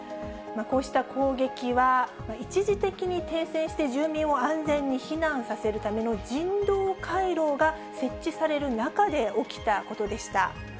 こうした攻撃は、一時的に停戦して、住民を安全に避難させるための人道回廊が設置される中で起きたことでした。